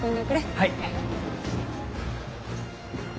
はい。